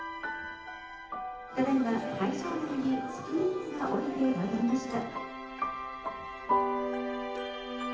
「ただいま会場内にスクリーンが下りてまいりました」。